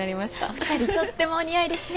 ２人とってもお似合いですね。